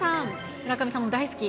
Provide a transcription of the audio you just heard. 村上さんも大好き。